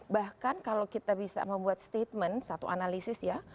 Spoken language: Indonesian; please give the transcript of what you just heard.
bahkan kalau kita bisa membuat statement satu analisis ya